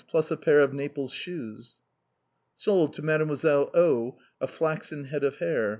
plus a pair of Naples shoes. " Sold to Mdlle. , a flaxen head of hair.